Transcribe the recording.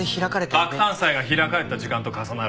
爆誕祭が開かれた時間と重なる。